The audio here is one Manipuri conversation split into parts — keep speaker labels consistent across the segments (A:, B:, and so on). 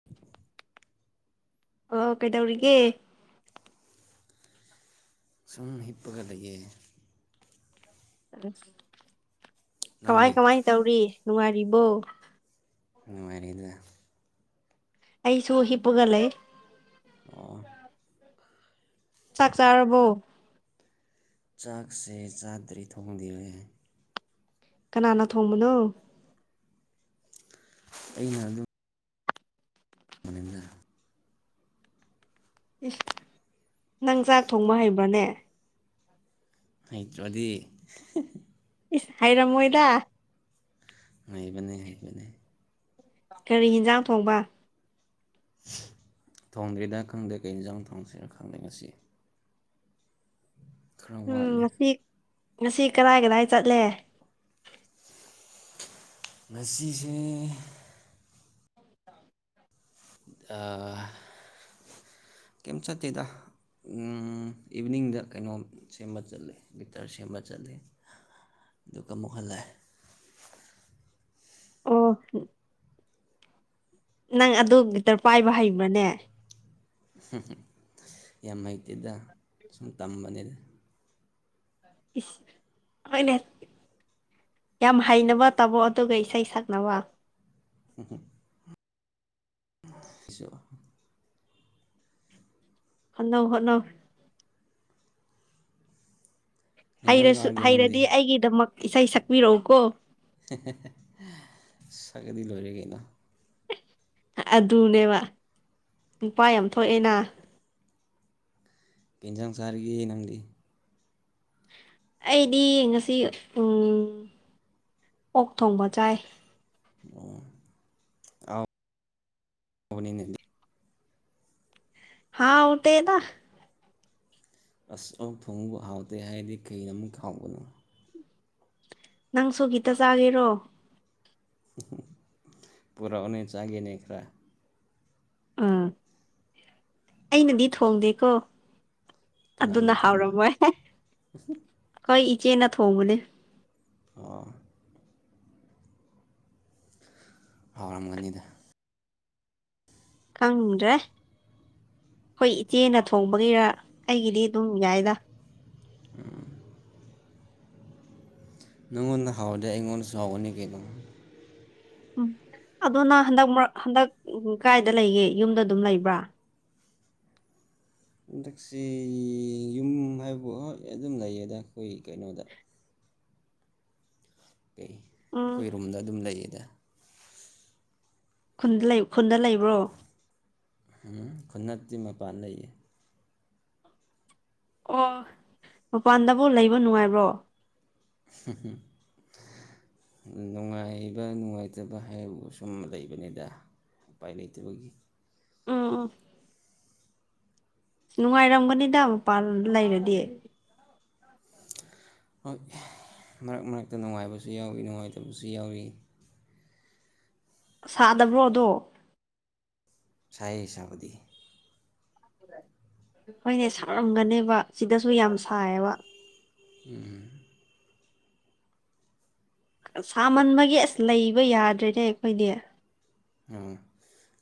A: [inaudible]
B: ꯑꯣ ꯀꯩꯗꯧꯔꯤꯒꯦ
A: ꯁꯨꯝ ꯍꯤꯞꯄꯒ ꯂꯩꯌꯦ
B: ꯀꯃꯥꯏ
A: ꯅꯪꯗꯤ
B: ꯀꯃꯥꯏ ꯇꯧꯔꯤ ꯅꯨꯡꯉꯥꯏꯔꯤꯕꯣ
A: ꯅꯨꯉꯥꯏꯔꯤꯅꯦ
B: ꯑꯩꯁꯨ ꯍꯤꯞꯄꯒ ꯂꯩ
A: ꯑꯣ
B: ꯆꯥꯛ ꯆꯥꯔꯕꯣ
A: ꯆꯥꯛꯁꯦ ꯆꯥꯗ꯭ꯔꯤ ꯊꯣꯡꯗ꯭ꯔꯤꯅꯦ
B: ꯀꯅꯥꯅ ꯊꯣꯡꯕꯅꯣ
A: ꯑꯩꯅ ꯑꯗꯨꯝ
B: ꯅꯪ ꯆꯥꯛ ꯊꯣꯡꯕ ꯍꯩꯕ꯭ꯔꯅꯦ
A: ꯍꯩꯇ꯭ꯔꯗꯤ
B: ꯏꯁ ꯍꯩꯔꯝꯃꯣꯏꯗ
A: ꯍꯩꯕꯅꯦ ꯍꯩꯕꯅꯦ
B: ꯀꯔꯤ ꯏꯟꯖꯥꯡ ꯊꯣꯡꯕ
A: ꯊꯣꯡꯗ꯭ꯔꯤꯗ ꯈꯪꯗꯦ ꯀꯩ ꯏꯟꯖꯥꯡ ꯊꯣꯡꯁꯤꯔ ꯈꯪꯗꯦ ꯉꯁꯤ ꯈꯔ
B: ꯎꯝ
A: ꯋꯥꯠꯂꯤ
B: ꯉꯁꯤ ꯉꯁꯤ ꯀꯔꯥꯏ ꯀꯔꯥꯏ ꯆꯠꯂꯦ
A: ꯉꯁꯤꯁꯦ ꯑ ꯀꯩꯝ ꯆꯠꯇꯦꯗ ꯎꯝ ꯏꯚꯤꯅꯤꯡꯗ ꯀꯩꯅꯣꯝ ꯁꯦꯝꯕ ꯆꯠꯂꯦ ꯒꯤꯇ꯭ꯔ ꯁꯦꯝꯕ ꯆꯠꯂꯦ ꯑꯗꯨꯒ ꯑꯃꯨꯛ ꯍꯜꯂꯦ
B: ꯑꯣ ꯅꯪ ꯑꯗꯨ ꯒꯤꯇ꯭ꯔ ꯄꯥꯏꯕ ꯍꯩꯕ꯭ꯔꯥꯅꯦ
A: ꯌꯥꯝ ꯍꯩꯇꯦꯗ ꯁꯨꯝ ꯇꯝꯕꯅꯦꯗ
B: ꯏꯁ ꯍꯣꯏꯅꯦ ꯌꯥꯝ ꯍꯩꯅꯕ ꯇꯝꯃꯣ ꯑꯗꯨꯒ ꯏꯁꯩ ꯁꯛꯅꯕ
A: ꯎꯝꯍꯨꯝ [unintelligible]
B: ꯍꯣꯠꯅꯧ ꯍꯣꯠꯅꯧ
A: ꯏꯟꯖꯥꯡ
B: ꯍꯩꯔꯁꯨ
A: ꯆꯥꯔꯒꯦ ꯅꯪꯗꯤ
B: ꯍꯩꯔꯗꯤ ꯑꯩꯒꯤꯗꯃꯛ ꯏꯁꯩ ꯁꯛꯄꯤꯔꯛꯎꯀꯣ
A: ꯁꯛꯑꯗꯤ ꯂꯣꯏꯔꯦ ꯀꯩꯅꯣ
B: ꯑꯗꯨꯅꯦꯕ ꯅꯨꯄꯥ ꯌꯥꯝ ꯊꯣꯛꯑꯦꯅ
A: ꯀꯩ ꯏꯟꯖꯥꯡ ꯆꯥꯔꯒꯦ ꯅꯪꯗꯤ
B: ꯑꯩꯗꯤ ꯉꯁꯤ ꯎꯝ ꯑꯣꯛ ꯊꯣꯡꯕ ꯆꯥꯏ
A: ꯎꯝ ꯑꯥꯎꯠ ꯑꯣꯅꯤꯅꯦ
B: ꯍꯥꯎꯇꯦꯗ
A: ꯑꯁ ꯑꯣꯛ ꯊꯣꯡꯕꯨ ꯍꯥꯎꯇꯦ ꯍꯥꯏꯔꯗꯤ ꯀꯩ ꯑꯃꯨꯛ ꯍꯥꯎꯕꯅꯣ
B: ꯅꯪꯁꯨ ꯒꯤꯇ ꯆꯥꯒꯦꯔꯣ
A: ꯄꯨꯔꯛꯎꯅꯦ ꯆꯥꯒꯦꯅꯦ ꯈꯔ
B: ꯎꯝ ꯑꯩꯅꯗꯤ ꯊꯣꯡꯗꯦꯀꯣ
A: ꯀꯅꯥꯅ
B: ꯑꯗꯨꯅ
A: ꯊꯣꯡꯕ
B: ꯍꯥꯎꯔꯝꯃꯣꯏ ꯑꯈꯣꯏ ꯏꯆꯦꯅ ꯊꯣꯡꯕꯅꯦ
A: ꯑꯣ ꯍꯥꯎꯔꯝꯒꯅꯤꯗ
B: ꯈꯪꯗ꯭ꯔꯦ ꯑꯈꯣꯏ ꯏꯆꯦꯅ ꯊꯣꯡꯕꯒꯤꯔꯥ ꯑꯩꯒꯤꯗꯤ ꯑꯗꯨꯝ ꯌꯥꯏꯗ
A: ꯎꯝ ꯅꯪꯉꯣꯟꯗ ꯍꯥꯎꯔꯗꯤ ꯑꯩꯉꯣꯟꯗꯁꯨ ꯍꯥꯎꯒꯅꯤ ꯀꯩꯅꯣ
B: ꯎꯝ ꯑꯗꯨ ꯅꯪ ꯍꯟꯗꯛ ꯃꯔꯛ ꯍꯟꯗꯛ ꯀꯥꯏꯗ ꯂꯩꯒꯦ ꯌꯨꯝꯗ ꯑꯗꯨꯝ ꯂꯩꯕ꯭ꯔꯥ
A: ꯍꯟꯗꯛꯁꯤ ꯌꯨꯝ ꯍꯥꯏꯕꯨ ꯍꯣꯏ ꯑꯗꯨꯝ ꯂꯩꯌꯦꯗ ꯑꯩꯈꯣꯏꯒꯤ ꯀꯩꯅꯣꯗ ꯀꯩ
B: ꯎꯝ
A: ꯑꯈꯣꯏ ꯔꯨꯝꯗ ꯑꯗꯨꯝ ꯂꯩꯌꯦꯗ
B: ꯈꯨꯟꯗ ꯂꯩ ꯈꯨꯟꯗ ꯂꯩꯕ꯭ꯔꯣ
A: ꯍꯝ ꯈꯨꯟ ꯅꯠꯇꯤ ꯃꯄꯥꯟ ꯂꯩꯌꯦ
B: ꯑꯣ ꯃꯄꯥꯟꯗꯕꯨ ꯂꯩꯕ ꯅꯨꯡꯉꯥꯏꯕ꯭ꯔꯣ
A: [unintelligible] ꯅꯨꯡꯉꯥꯏꯕ ꯅꯨꯡꯉꯥꯏꯇꯕ ꯍꯥꯏꯕꯕꯨ ꯁꯨꯝ ꯂꯩꯕꯅꯤꯗꯥ ꯎꯄꯥꯏ ꯂꯩꯇꯕꯒꯤ
B: ꯎꯝ ꯎꯝ ꯅꯨꯡꯉꯥꯏꯔꯝꯒꯅꯤꯗ ꯃꯄꯥꯟ ꯂꯩꯔꯗꯤ
A: ꯍꯣꯏ ꯃꯔꯛ ꯃꯔꯛꯇꯥ ꯅꯨꯡꯉꯥꯏꯕꯁꯨ ꯌꯥꯎꯋꯤ ꯅꯨꯡꯉꯥꯏꯇꯕꯁꯨ ꯌꯥꯎꯋꯤ
B: ꯁꯥꯗꯕ꯭ꯔꯣ ꯑꯗꯣ
A: ꯁꯥꯏꯌꯦ ꯁꯥꯕꯗꯤ
B: ꯍꯣꯏꯅꯦ ꯁꯔꯝꯒꯅꯦꯕ ꯁꯤꯗꯁꯨ ꯌꯥꯝ ꯁꯥꯏꯌꯦꯕ
A: ꯎꯝ
B: ꯁꯥꯃꯟꯕꯒꯤ ꯑꯁ ꯂꯩꯕ ꯌꯥꯗ꯭ꯔꯦꯅꯦ ꯑꯩꯈꯣꯏꯗꯤ
A: ꯑꯥ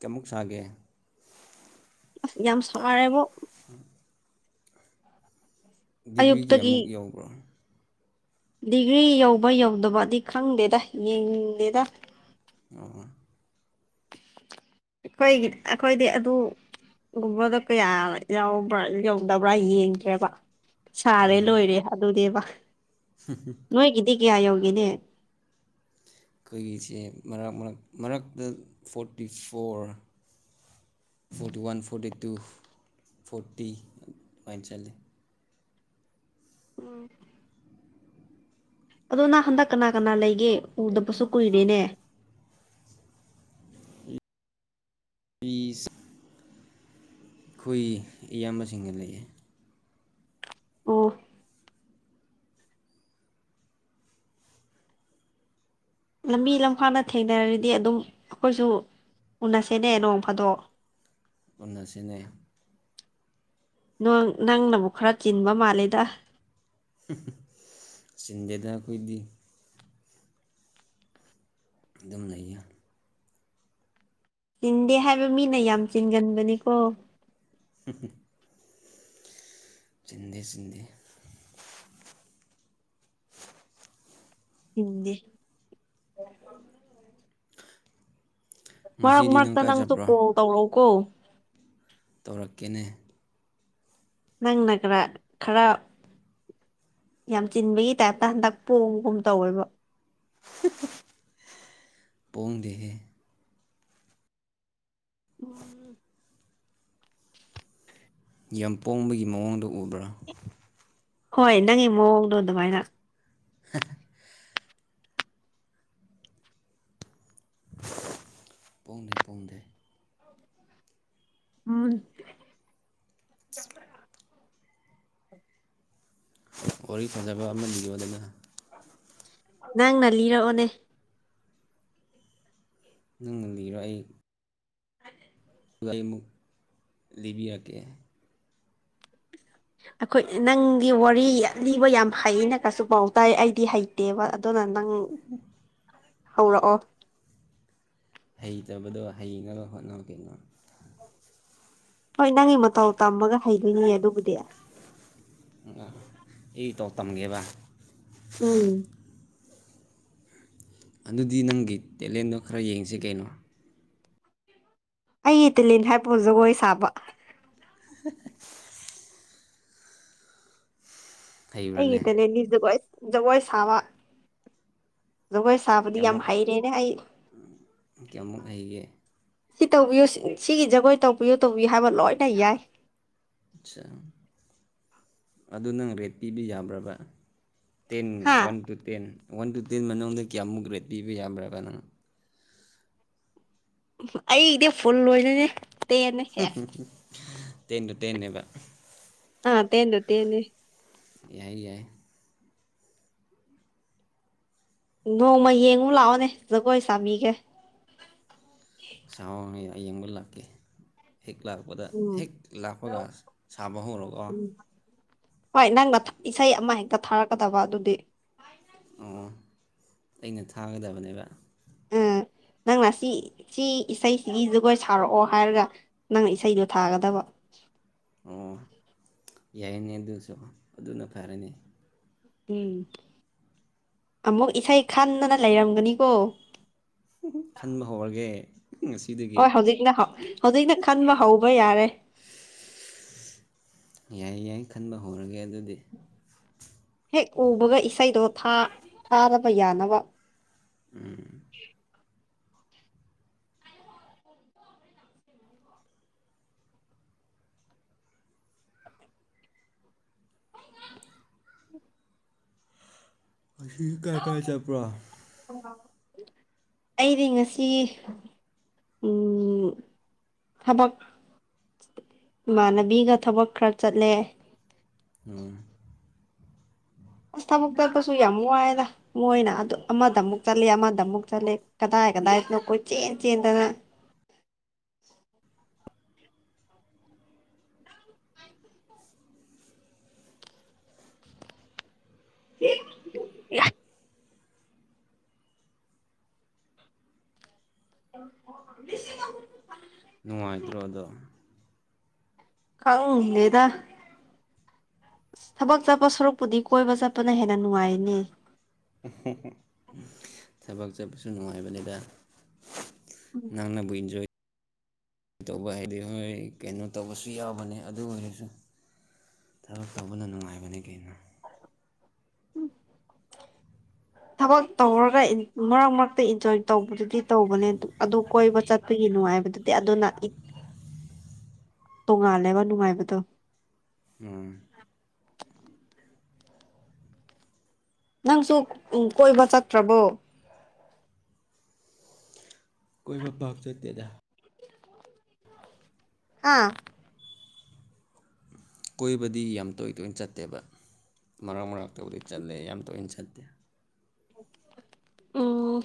A: ꯀꯌꯥꯃꯨꯛ ꯁꯥꯒꯦ
B: ꯑꯁ ꯌꯥꯝ ꯁꯥꯔꯦꯕꯣ
A: ꯎꯝ ꯗꯤꯒ꯭ꯔꯤꯒꯤ
B: ꯑꯌꯨꯛꯇꯒꯤ
A: ꯑꯃꯨꯛ ꯌꯧꯕ꯭ꯔꯣ
B: ꯗꯤꯒ꯭ꯔꯤ ꯌꯧꯕ ꯌꯧꯗꯕꯗꯤ ꯈꯪꯗꯦꯗ ꯌꯦꯡꯅꯤꯡꯗꯦꯗ
A: ꯑꯣ
B: ꯑꯩꯈꯣꯏꯒꯤ ꯑꯩꯈꯣꯏꯗꯤ ꯑꯗꯨ ꯒꯨꯝꯕꯒ ꯀꯌꯥ ꯌꯥꯎꯕ꯭ꯔꯥ ꯌꯧꯗꯕ꯭ꯔꯥ ꯌꯦꯡꯗ꯭ꯔꯦꯕ ꯁꯥꯔꯦ ꯂꯣꯏꯔꯦ ꯑꯗꯨꯅꯦꯕ
A: [unintelligible]
B: ꯅꯣꯏꯒꯤꯗꯤ ꯀꯌꯥ ꯌꯧꯒꯦꯅꯦ
A: ꯑꯩꯈꯣꯏꯒꯤꯁꯦ ꯃꯔꯛ ꯃꯔꯛ ꯃꯔꯛꯇ forty for forty one forty two forty ꯑꯗꯨꯃꯥꯏꯅ ꯆꯠꯂꯦ
B: ꯎꯝ ꯑꯗꯣ ꯅꯪ ꯍꯟꯗꯛ ꯀꯅꯥ ꯀꯅꯥ ꯂꯩꯒꯦ ꯎꯗꯕꯁꯨ ꯀꯨꯏꯔꯦꯅꯦ
A: ꯄꯤꯁ ꯑꯩꯈꯣꯏ ꯏꯌꯥꯝꯕꯁꯤꯡꯒ ꯂꯩꯌꯦ
B: ꯑꯣ ꯂꯝꯕꯤ ꯂꯝꯈꯥꯡꯗ ꯊꯦꯡꯅꯔꯗꯤ ꯑꯗꯨꯝ ꯑꯩꯈꯣꯏꯁꯨ ꯎꯅꯁꯦꯅꯦ ꯅꯣꯡ ꯐꯥꯗꯣꯛ
A: ꯎꯟꯅꯁꯤꯅꯦ
B: ꯅꯪ ꯅꯪꯅꯕꯨ ꯈꯔ ꯆꯤꯟꯕ ꯃꯥꯜꯂꯦꯗ
A: ꯆꯤꯟꯗꯦꯗ ꯑꯩꯈꯣꯏꯗꯤ ꯑꯗꯨꯝ ꯂꯩꯌꯦ
B: ꯆꯤꯟꯗꯦ ꯍꯥꯏꯕ ꯃꯤꯅ ꯌꯥꯝ ꯆꯤꯟꯒꯟꯕꯅꯤꯀꯣ
A: [unintelligible] ꯆꯤꯟꯗꯦ ꯆꯤꯟꯗꯦ
B: ꯍꯤꯟꯗꯤ ꯃꯔꯛ
A: ꯉꯁꯤꯗꯤ ꯅꯪ
B: ꯃꯔꯛꯇꯥ
A: ꯀꯥꯏ
B: ꯅꯪꯁꯨ
A: ꯆꯠꯄ꯭ꯔꯣ
B: ꯀꯣꯜ ꯇꯧꯔꯛꯎꯀꯣ
A: ꯇꯧꯔꯛꯀꯦꯅꯦ
B: ꯅꯪꯅ ꯈꯔ ꯈꯔ ꯌꯥꯝ ꯆꯤꯟꯕꯒꯤ ꯇꯥꯏꯞꯇꯥ ꯍꯟꯗꯛ ꯄꯣꯡꯕꯒꯨꯝ ꯇꯧꯋꯦꯕ
A: ꯄꯣꯡꯗꯦꯍꯦ
B: ꯎꯝ
A: ꯌꯥꯝ ꯄꯣꯡꯕꯒꯤ ꯃꯑꯣꯡꯗ ꯎꯕ꯭ꯔꯥ
B: ꯍꯣꯏ ꯅꯪꯒꯤ ꯃꯑꯣꯡꯗꯣ ꯑꯗꯨꯃꯥꯏꯅ
A: [unintelligible] ꯄꯣꯡꯗꯦ ꯄꯣꯡꯗꯦ
B: [unintelligible]
A: [unintelligible] ꯋꯥꯔꯤ ꯐꯖꯕ ꯑꯃ ꯂꯤꯌꯣꯗꯅ
B: ꯅꯪꯅ ꯂꯤꯔꯛꯑꯣꯅꯦ
A: ꯅꯪꯅ ꯂꯤꯔꯣ ꯑꯩ ꯗꯨꯒ ꯑꯩꯃꯨꯛ ꯂꯤꯕꯤꯔꯛꯀꯦ
B: ꯑꯩꯈꯣꯏ ꯅꯪꯗꯤ ꯋꯥꯔꯤ ꯌꯥꯝ ꯂꯤꯕ ꯍꯩꯌꯦꯅ ꯀꯁꯨ ꯄꯥꯎ ꯇꯥꯏ ꯑꯩꯗꯤ ꯍꯩ ꯇꯦꯕ ꯑꯗꯨꯅ ꯅꯪ ꯍꯧꯔꯛꯑꯣ
A: ꯍꯩꯇꯕꯗꯣ ꯍꯩꯅꯕ ꯍꯣꯠꯅꯧ ꯀꯩꯅꯣ
B: ꯍꯣꯏ ꯅꯪꯒꯤ ꯃꯇꯧ ꯇꯝꯃꯒ ꯍꯩꯗꯣꯏꯅꯤ ꯑꯗꯨꯕꯨꯗꯤ
A: [unintelligible] ꯑꯩ ꯏꯇꯧ ꯇꯝꯒꯦꯕ
B: ꯎꯝ
A: ꯑꯗꯨꯗꯤ ꯅꯪꯒꯤ ꯇꯦꯂꯦꯟꯗꯣ ꯈꯔ ꯌꯦꯡꯁꯤ ꯀꯩꯅꯣ
B: ꯑꯩꯒꯤ ꯇꯤꯂꯦꯟ ꯍꯥꯏꯄꯨ ꯖꯒꯣꯏ ꯁꯥꯕ
A: [unintelligible]
B: ꯑꯩꯒꯤ
A: ꯍꯩꯕ꯭ꯔꯥꯅꯦ
B: ꯇꯦꯂꯦꯟꯗꯤ ꯖꯒꯣꯏ ꯖꯒꯣꯏ ꯁꯥꯕ ꯖꯒꯣꯏ ꯁꯥꯕꯗꯤ ꯌꯥꯝ
A: ꯀꯌꯥꯃꯨꯛ
B: ꯍꯥꯏꯔꯦꯅꯦ ꯑꯩ
A: ꯀꯌꯥꯃꯨꯛ ꯍꯩꯒꯦ
B: ꯁꯤ ꯇꯧꯕꯤꯌꯨ ꯁꯤꯒꯤ ꯖꯒꯣꯏ ꯇꯧꯕꯤꯌꯨ ꯇꯧꯕꯤꯌꯨ ꯍꯥꯏꯕ ꯂꯣꯏꯅ ꯌꯥꯏ
A: ꯑꯠꯆꯥ ꯑꯗꯨ ꯅꯪ ꯔꯦꯠ ꯄꯤꯕ ꯌꯥꯕ꯭ꯔꯕ ꯇꯦꯟ
B: ꯍꯥ
A: one two ten one two ten ꯃꯅꯨꯡꯗ ꯀꯌꯥꯃꯨꯛ ꯔꯦꯠ ꯄꯤꯕ ꯌꯥꯕ꯭ꯔꯥꯕ ꯅꯪ
B: ꯑꯩꯒꯤꯗꯤ ꯐꯨꯜ ꯂꯣꯏꯗꯣꯏꯅꯦ
A: ꯍꯨꯝ ꯍꯨꯝ ꯍꯨꯝ ꯇꯦꯟ ꯇꯨ ꯇꯦꯟꯅꯦꯕ
B: ꯑꯥ ꯇꯦꯟ ꯇꯨ ꯇꯦꯟꯅꯦ
A: ꯌꯥꯏ ꯌꯥꯏ
B: ꯅꯣꯡꯃ ꯌꯦꯡꯉꯨ ꯂꯥꯛꯑꯣꯅꯦ ꯖꯒꯣꯏ ꯁꯥꯕꯤꯒꯦ
A: ꯁꯍꯥꯎꯉꯩ ꯑꯌꯦꯡꯕ ꯂꯥꯛꯀꯦ ꯍꯦꯛ ꯂꯥꯛꯄꯗ
B: ꯎꯝ
A: ꯍꯦꯛ ꯂꯥꯛꯄꯒ ꯁꯥꯕ ꯍꯧꯔꯣꯒꯣ
B: ꯎꯝ ꯍꯣꯏ ꯅꯪꯅ ꯊꯥ ꯏꯁꯩ ꯑꯃ ꯍꯦꯛꯇ ꯊꯥꯔꯛꯀꯗꯕ ꯑꯗꯨꯗꯤ
A: ꯑꯣ ꯑꯣ ꯑꯩꯅ ꯊꯥꯒꯗꯕꯅꯦꯕ
B: [unintelligible] ꯅꯪꯅ ꯁꯤ ꯁꯤ ꯏꯁꯩꯁꯤꯒꯤ ꯖꯒꯣꯏ ꯁꯥꯔꯛꯑꯣ ꯍꯥꯏꯔꯒ ꯅꯪꯅ ꯏꯁꯩꯗꯣ ꯊꯥꯒꯗꯕ
A: ꯑꯣ ꯌꯥꯏꯅꯦ ꯑꯗꯨꯁꯨ ꯑꯗꯨꯅ ꯐꯔꯦꯅꯤ
B: ꯎꯝ ꯑꯃꯨꯛ ꯏꯁꯩ ꯈꯥꯟꯗꯅ ꯂꯩꯔꯝꯒꯅꯤꯀꯣ
A: ꯍꯨꯡ ꯍꯨꯡ ꯈꯟꯕ ꯍꯧꯔꯒꯦ ꯉꯁꯤ
B: ꯍꯣꯏ ꯍꯧꯖꯤꯛꯅ ꯍꯧ ꯍꯧꯖꯤꯛꯅ ꯈꯟꯕ ꯍꯧꯕ ꯌꯥꯔꯦ
A: ꯁꯁ ꯌꯥꯏ ꯌꯥꯏ ꯈꯟꯕ ꯍꯧꯔꯒꯦ ꯑꯗꯨꯗꯤ
B: ꯍꯦꯛ ꯎꯕꯒ ꯏꯁꯩꯗꯣ ꯊꯥ ꯊꯥꯕꯒ ꯌꯥꯅꯕ
A: ꯎꯝ
B: [unintelligible]
A: ꯉꯁꯤ ꯀꯥꯏ ꯀꯥꯏ ꯆꯠꯄ꯭ꯔꯣ
B: ꯑꯩꯗꯤ ꯉꯁꯤ ꯎꯝ ꯊꯕꯛ ꯏꯃꯥꯟꯅꯕꯤꯒ ꯊꯕꯛ ꯈꯔ ꯆꯠꯂꯦ
A: ꯎꯝ
B: ꯑꯁ ꯊꯕꯛ ꯇꯠꯄꯁꯨ ꯌꯥꯝ ꯋꯥꯏꯗ ꯃꯣꯏꯅ ꯑꯗꯨ ꯑꯃꯗꯃꯨꯛ ꯆꯠꯂꯦ ꯑꯃꯗ ꯑꯃꯨꯛ ꯆꯠꯂꯦ ꯀꯗꯥꯏ ꯀꯗꯥꯏꯗꯅꯣ ꯀꯣꯏ ꯆꯦꯟ ꯆꯦꯟꯗꯅ [unintelligible] [unintelligible]
A: ꯅꯨꯡꯉꯥꯏꯇ꯭ꯔꯣ ꯑꯗꯣ
B: ꯈꯪꯗꯦꯗ ꯊꯕꯛ ꯆꯠꯄ ꯁꯔꯨꯛꯄꯨꯗꯤ ꯀꯣꯏꯕ ꯆꯠꯄꯅ ꯍꯦꯟꯅ ꯅꯨꯡꯉꯥꯏꯅꯤ
A: [unintelligible] ꯊꯕꯛ ꯆꯠꯄꯁꯨ ꯅꯨꯡꯉꯥꯏꯕꯅꯤꯗ ꯅꯪꯅꯕꯨ ꯏꯟꯖꯣꯏ ꯇꯧꯕ ꯍꯩꯗꯤ ꯍꯣꯏ ꯀꯩꯅꯣ ꯇꯧꯕꯁꯨ ꯌꯥꯎꯕꯅꯦ ꯑꯗꯨ ꯑꯣꯏꯔꯁꯨ ꯊꯕꯛ ꯇꯧꯕꯅ ꯅꯨꯡꯉꯥꯏꯕꯅꯦ ꯀꯩꯅꯣ
B: ꯊꯕꯛ ꯇꯧꯔꯒ ꯏꯟ ꯃꯔꯛ ꯃꯔꯛꯇ ꯏꯟꯖꯣꯏ ꯇꯧꯕꯗꯨꯗꯤ ꯇꯧꯕꯅꯦ ꯑꯗꯨ ꯀꯣꯏꯕ ꯆꯠ ꯑꯗꯨꯒꯤ ꯅꯨꯡꯉꯥꯏꯕꯗꯨꯗꯤ ꯑꯗꯨꯅ ꯏꯠ ꯇꯣꯡꯉꯥꯜꯂꯦꯕ ꯅꯨꯡꯉꯥꯏꯕꯗꯣ
A: ꯎꯝ
B: ꯅꯪꯁꯨ ꯎ ꯀꯣꯏꯕ ꯆꯠꯇ꯭ꯔꯕꯣ
A: ꯀꯣꯏꯕ ꯄꯥꯛ ꯆꯠꯇꯦꯗ
B: ꯑꯥ
A: ꯀꯣꯏꯕꯗꯤ ꯌꯥꯝ ꯇꯣꯏ ꯇꯣꯏꯅ ꯆꯠꯇꯦꯕ ꯃꯔꯛ ꯃꯔꯛꯇꯕꯨꯗꯤ ꯆꯠꯂꯦ ꯌꯥꯝ ꯇꯣꯏꯏꯅ ꯆꯠꯇꯦ
B: ꯎꯝ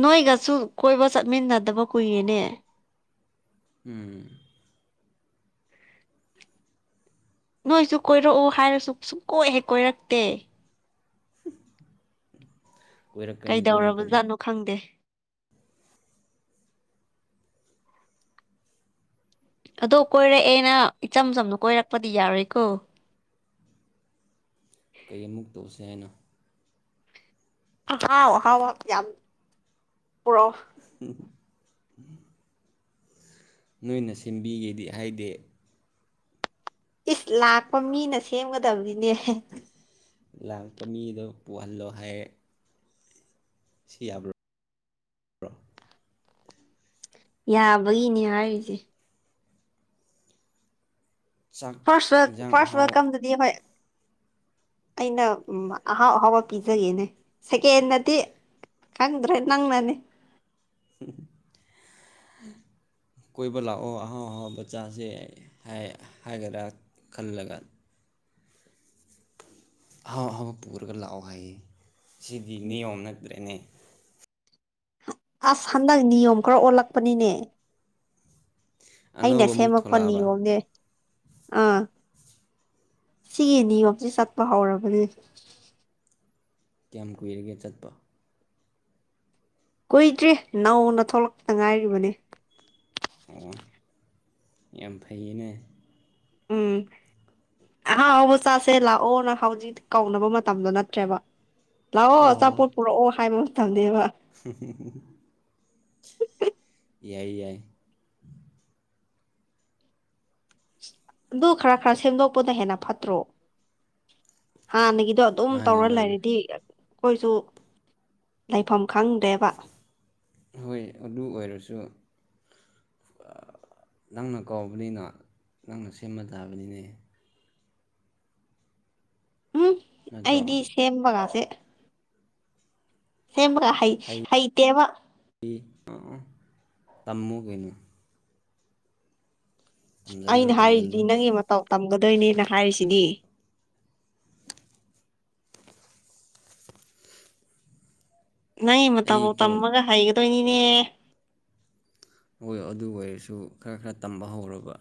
B: ꯅꯣꯏꯒꯁꯨ ꯀꯣꯏꯕ ꯆꯠꯃꯤꯟꯅꯗꯕ ꯀꯨꯏꯔꯦꯅꯦ
A: ꯎꯝ
B: ꯅꯣꯏꯁꯨ ꯀꯣꯏꯔꯛꯎ ꯍꯥꯏꯔꯁꯨ ꯁꯨꯡ ꯀꯣꯏꯍꯦ ꯀꯣꯏꯔꯛꯇꯦ
A: ꯀꯣꯏꯔꯛꯀꯅꯤ ꯀꯣꯏꯔꯛꯀꯅꯤ
B: ꯀꯩꯗꯧꯔꯕꯖꯥꯠꯅꯣ ꯈꯪꯗꯦ ꯑꯗꯣ ꯀꯣꯏꯔꯛꯑꯦꯅ ꯏꯆꯝ ꯆꯝꯅ ꯀꯣꯏꯔꯛꯄꯗꯤ ꯌꯥꯔꯣꯏꯀꯣ
A: ꯀꯩ ꯑꯃꯨꯛ ꯇꯧꯁꯤ ꯍꯥꯏꯅꯣ
B: ꯑꯍꯥꯎ ꯑꯍꯥꯎ ꯌꯥꯝ ꯄꯨꯔꯛꯑꯣ
A: [unintelligible] ꯅꯣꯏꯅ ꯁꯦꯝꯕꯤꯒꯦꯗꯤ ꯍꯥꯏꯗꯤ
B: ꯏꯁ ꯂꯥꯛꯄ ꯃꯤꯅ ꯁꯦꯝꯒꯗꯕꯗꯤꯅꯦ
A: ꯂꯥꯛꯄ ꯃꯤꯗꯣ ꯄꯨꯍꯜꯂꯣ ꯍꯥꯏꯔꯦ ꯁꯤ ꯌꯥꯕ꯭ꯔꯣ
B: ꯌꯥꯕꯒꯤꯅꯦ ꯍꯥꯏꯔꯤꯁꯦ
A: ꯆꯥꯛ
B: ꯐꯥꯔꯁꯋꯦꯜ
A: ꯏꯟꯁꯥꯡ
B: ꯐꯥꯔꯁ
A: ꯑꯍꯥꯎ
B: ꯋꯦꯜꯀꯝꯗꯗꯤ ꯍꯣꯏ ꯑꯩꯅ ꯎꯝ ꯑꯍꯥꯎ ꯑꯍꯥꯎꯕ ꯄꯤꯖꯒꯦꯅꯦ ꯁꯦꯀꯦꯟꯅꯗꯤ ꯈꯪꯗ꯭ꯔꯦ ꯅꯪꯅꯅꯤ
A: ꯀꯣꯏꯕ ꯂꯥꯛꯑꯣ ꯑꯍꯥꯎ ꯑꯍꯥꯎꯕ ꯆꯥꯁꯦ ꯍꯥꯏ ꯍꯥꯏꯒ꯭ꯔꯥ ꯈꯜꯂꯒ ꯑꯍꯥꯎ ꯑꯍꯥꯎꯕ ꯄꯨꯔꯒ ꯂꯥꯛꯑꯣ ꯍꯥꯏꯌꯦ ꯁꯤꯗꯤ ꯅꯤꯌꯣꯝ ꯅꯠꯇ꯭ꯔꯦꯅꯦ
B: ꯑꯁ ꯍꯟꯗꯛ ꯅꯤꯌꯣꯝ ꯈꯔ ꯑꯣꯜꯂꯛꯄꯅꯤꯅꯦ ꯑꯩꯅ
A: ꯑꯅꯧꯕ ꯑꯃꯨꯛ
B: ꯁꯦꯝꯃꯛꯄ
A: ꯊꯣꯛꯂꯛꯑꯕ
B: ꯅꯤꯌꯣꯝꯅꯦ ꯑꯥ ꯁꯤꯒꯤ ꯅꯤꯌꯣꯝꯁꯦ ꯆꯠꯄ ꯍꯧꯔꯕꯅꯦ
A: ꯀꯌꯥꯝ ꯀꯨꯏꯔꯒꯦ ꯆꯠꯄ
B: ꯀꯨꯏꯗ꯭ꯔꯤ ꯅꯧꯅ ꯊꯣꯛꯂꯛꯄꯗ ꯉꯥꯏꯔꯤꯕꯅꯤ
A: ꯑꯣ ꯌꯥꯝ ꯐꯩꯌꯦꯅꯦ
B: ꯎꯝ ꯑꯍꯥꯎ ꯑꯍꯥꯎꯕ ꯆꯥꯁꯦ ꯂꯥꯛꯑꯣꯅ ꯍꯧꯖꯤꯛ ꯀꯧꯅꯕ ꯃꯇꯝꯗꯣ ꯅꯠꯇ꯭ꯔꯦꯕ ꯂꯥꯛꯑꯣ
A: ꯑꯣ
B: ꯑꯆꯥꯄꯣꯠ ꯄꯨꯔꯛꯑꯣ ꯍꯥꯏꯕ ꯃꯇꯝꯅꯦꯕ
A: [unintelligible] ꯌꯥꯏ ꯌꯥꯏ
B: ꯑꯗꯨ ꯈꯔ ꯈꯔ ꯁꯦꯝꯗꯣꯛꯄꯗ ꯍꯦꯟꯅ ꯐꯠꯇ꯭ꯔꯣ ꯍꯥꯟꯅꯒꯤꯗꯣ ꯑꯗꯨꯝ
A: ꯃꯥꯅꯦ
B: ꯇꯧꯔ
A: ꯃꯥꯅꯦ
B: ꯂꯩꯔꯗꯤ ꯑꯩꯈꯣꯏꯁꯨ ꯂꯩꯐꯝ ꯈꯪꯗ꯭ꯔꯦꯕ
A: ꯍꯣꯏ ꯑꯗꯨ ꯑꯣꯏꯔꯁꯨ ꯑꯥ ꯅꯪꯅ ꯀꯥꯎꯕꯅꯤꯅ ꯅꯪꯅ ꯁꯦꯝꯃ ꯇꯥꯕꯅꯤꯅꯦ
B: ꯍꯨꯝ
A: ꯅꯠꯇ꯭ꯔꯣ
B: ꯑꯩꯗꯤ ꯁꯦꯝꯕꯒꯥꯁꯦ ꯁꯦꯝꯕꯒ ꯍꯩ ꯍꯩꯇꯦꯕ
A: ꯏ ꯑꯣ ꯑꯣ ꯇꯝꯃꯨꯒꯩꯅꯣ ꯇꯝꯁꯤꯜꯂꯣ
B: ꯑꯩꯅ
A: ꯇꯝꯁꯤꯜꯂꯣ
B: ꯍꯥꯏꯔꯤꯗꯤ ꯅꯪꯒꯤ ꯃꯇꯧ ꯇꯝꯒꯗꯣꯏꯅꯦꯅ ꯍꯥꯏꯔꯤꯁꯤꯗꯤ ꯅꯪ ꯃꯇꯥꯎ
A: ꯑꯩ ꯇꯧ
B: ꯇꯝꯃꯒ ꯍꯩꯒꯗꯣꯏꯅꯤꯅꯦ
A: ꯍ ꯑꯗꯨ ꯑꯣꯏꯔꯁꯨ ꯈꯔ ꯈꯔ ꯇꯝꯕ ꯍꯧꯔꯕ